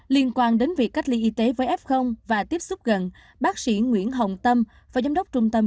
liên quan đến việc cách ly y tế với f và tiếp xúc gần bác sĩ nguyễn hồng tâm phó giám đốc trung tâm